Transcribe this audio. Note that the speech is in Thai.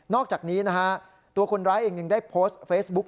อกจากนี้นะฮะตัวคนร้ายเองยังได้โพสต์เฟซบุ๊ค